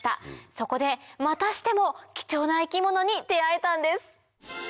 そこでまたしても貴重な生き物に出合えたんです。